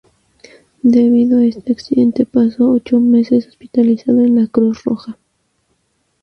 Debido a este accidente pasó ocho meses hospitalizado en la Cruz Roja.